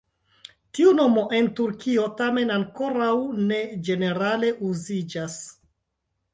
Tiu nomo en Turkio tamen ankoraŭ ne ĝenerale uziĝas.